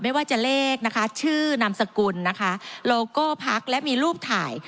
ไม่ว่าจะเลขนะคะชื่อนามสกุลนะคะโลโก้พักและมีรูปถ่าย